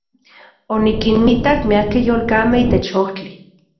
Onikinmitak miakej yolkamej itech ojtli.